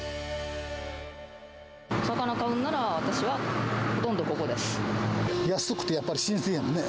魚買うんなら私はほとんどこ安くてやっぱり新鮮やもんね。